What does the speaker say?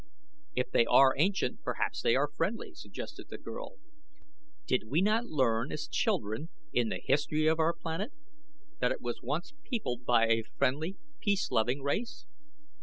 "If they are ancient perhaps they are friendly," suggested the girl. "Did we not learn as children in the history of our planet that it was once peopled by a friendly, peace loving race?"